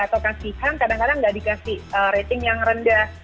atau kasihan kadang kadang nggak dikasih rating yang rendah